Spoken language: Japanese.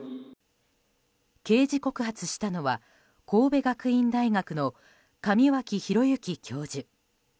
刑事告発したのは神戸学院大学の上脇博之教授。